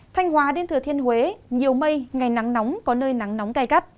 thanh hóa đến thừa thiên huế nhiều mây ngày nắng nóng có nơi nắng nóng gai gắt